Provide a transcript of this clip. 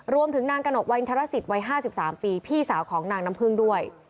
รวมถึงนางกระหนกวันทรสิตวัย๕๓ปีพี่สาวของนางน้ำพึ่งด้วย